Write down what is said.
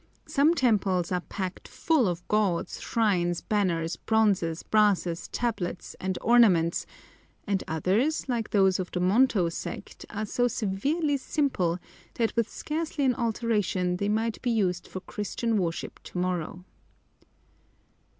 Some temples are packed full of gods, shrines, banners, bronzes, brasses, tablets, and ornaments, and others, like those of the Monto sect, are so severely simple, that with scarcely an alteration they might be used for Christian worship to morrow.